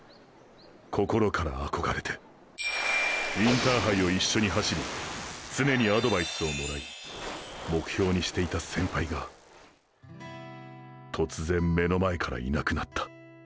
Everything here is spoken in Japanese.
心から憧れてインターハイを一緒に走り常にアドバイスをもらい目標にしていた先輩が突然目の前からいなくなった。